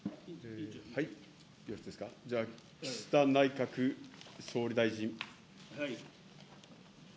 岸田内閣総理大臣。